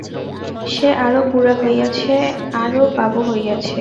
সে আরও বুড়া হইয়াছে, আরও বাবু হইয়াছে।